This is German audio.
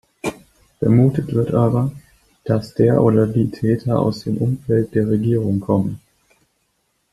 Vermutet wird aber, dass der oder die Täter aus dem Umfeld der Regierung kommen.